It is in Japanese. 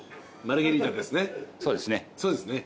そうですね。